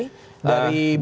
dari boyole dari salatiga dan